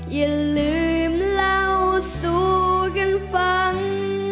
อย่าลืมเล่าสู่กันฟัง